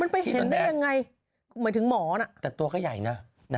ไปเห็นได้ยังไงหมายถึงหมอนะแต่ตัวก็ใหญ่นะ